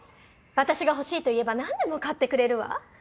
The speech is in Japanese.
私が欲しいと言えば何でも買ってくれるわ。